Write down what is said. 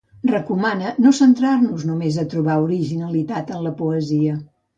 Recomana no centrar-nos només a trobar originalitat en la poesia.